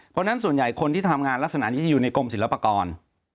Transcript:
เพราะฉะนั้นส่วนใหญ่คนที่ทำงานลักษณะนี้จะอยู่ในกรมศิลปากร